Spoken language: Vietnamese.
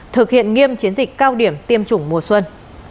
thực hiện nghiêm chiến dịch cao điểm tiêm chủng mùa xuân